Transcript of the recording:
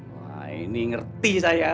wah ini ngerti saya